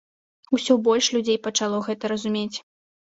Усё больш людзей пачало гэта разумець.